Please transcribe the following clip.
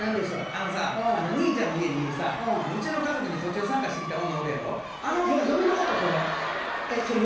あのさ兄ちゃんの家にいるさウチの家族に途中参加してきた女おるやろ嫁のことそれ？